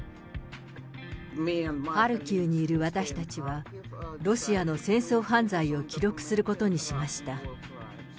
ハルキウにいる私たちは、ロシアの戦争犯罪を記録することにしました。